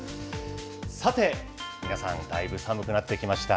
さて皆さん、だいぶ寒くなってきました。